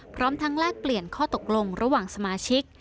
พร้อมทั้งแลกเปลี่ยนข้อตกลงระหว่างสมาชิก